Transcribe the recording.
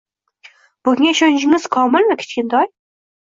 Bunga ishonchingiz komilmi, Kichkintoy